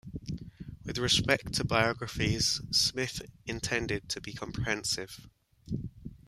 With respect to biographies, Smith intended to be comprehensive.